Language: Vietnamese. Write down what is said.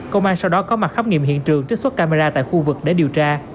công an sau đó có mặt khám nghiệm hiện trường trích xuất camera tại khu vực để điều tra